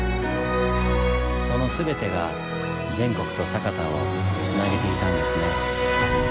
その全てが全国と酒田をつなげていたんですね。